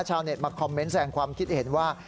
ชาวเน็ตมาคอมเมนต์แสงความคิดเห็นว่า